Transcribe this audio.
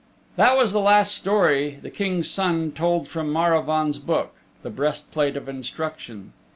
That was the last story the King's Son told from Maravaun's book, "The Breastplate of Instruction."